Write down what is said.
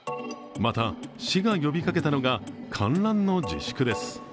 また市が呼びかけたのが観覧の自粛です。